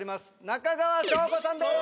中川翔子さんです